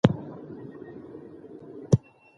ظلم او وحشت په ټول هېواد کې خپور شوی و.